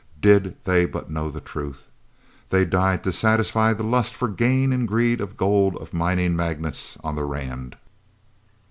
Did they but know the truth! They died to satisfy the lust for gain and greed of gold of mining magnates on the Rand."